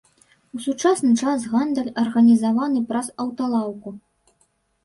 У сучасны час гандаль арганізаваны праз аўталаўку.